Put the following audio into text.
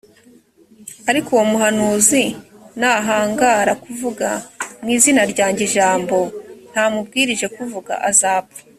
ariko uwo muhanuzi nahangara kuvuga mu izina ryanjye ijambo ntamubwirije kuvuga, azapfa